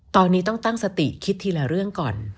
ตอนนี้ต้องตั้งสติคิดทีละเรื่องก่อน